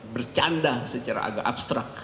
bercanda secara agak abstrak